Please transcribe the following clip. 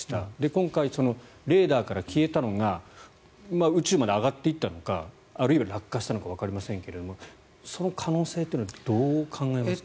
今回、レーダーから消えたのが宇宙まで上がっていったのかあるいは落下したのかわかりませんけどその可能性というのはどう考えますか？